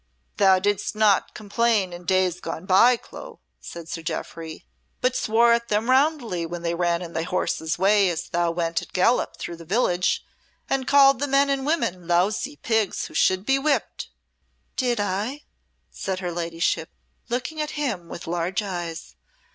"Thou didst not complain in days gone by, Clo," said Sir Jeoffry, "but swore at them roundly when they ran in thy horse's way as thou went at gallop through the village, and called the men and women lousy pigs who should be whipt." "Did I?" said her ladyship, looking at him with large eyes.